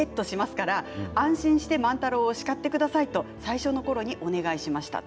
でれっとしますから安心して万太郎を叱ってくださいと最初のころにお願いしました。